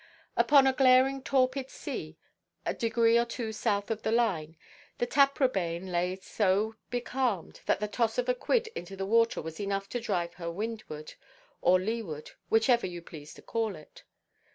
Upon a glaring torpid sea, a degree or two south of the line, the Taprobane lay so becalmed that the toss of a quid into the water was enough to drive her windward, or leeward, whichever you pleased to call it.